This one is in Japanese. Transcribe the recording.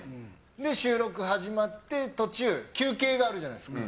で、収録始まって途中、休憩があるじゃないですか。